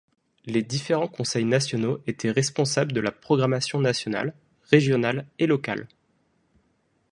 Les différents conseils nationaux étaient responsables de la programmation nationale, régionale et locale.